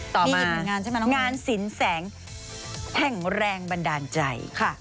ต่อมางานสินแสงแห่งแรงบันดาลใจ